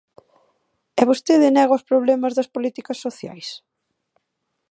¿E vostede nega os problemas das políticas sociais?